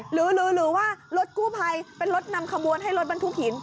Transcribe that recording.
หรือว่ารถกู้ภัยเป็นรถนำขบวนให้รถบรรทุกหิน